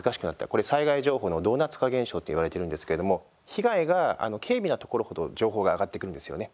これ、災害情報のドーナツ化現象といわれているんですけれども被害が軽微なところ程情報が上がってくるんですよね。